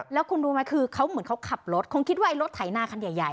แล้วคุณรู้มั้ยว่าเขาขับรถคงคิดว่ารถไถ่นากันใหญ่